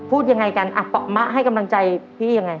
พูดยังไงกันอ่ะปะมะให้กำลังใจพี่ยังไง